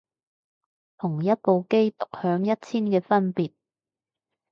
同一部機獨享一千嘅分別